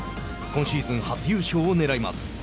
今シーズン、初優勝をねらいます。